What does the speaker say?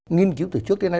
nghiên cứu từ trước đến nay